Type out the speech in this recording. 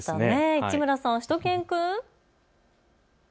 市村さん、しゅと犬くん。